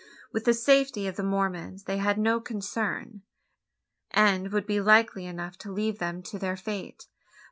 With the safety of the Mormons they had no concern; and would be likely enough to leave them to their fate.